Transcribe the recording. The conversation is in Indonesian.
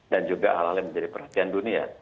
dan juga hal hal yang menjadi perhatian dunia